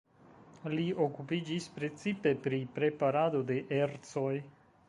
Li okupiĝis precipe pri preparado de ercoj.